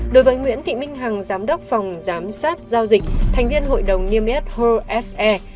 đối với nguyễn thị minh hằng giám đốc phòng giám sát giao dịch thành viên hội đồng niêm yết hồ s e